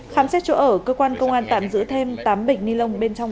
khám xét chỗ ở cơ quan công an tạm giữ thêm tám bịch ni lông bên trong